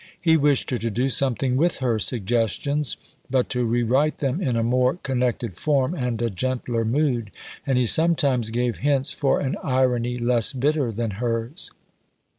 He wished her to do something with her "Suggestions," but to rewrite them in a more connected form and a gentler mood, and he sometimes gave hints for an irony less bitter than hers.